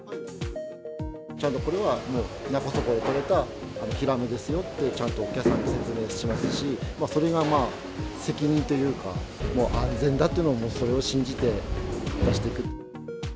ちゃんとこれは勿来で取れたヒラメですよって、ちゃんとお客さんに説明しますし、それがまあ、責任というか、安全だというのを、それを信じて出していく。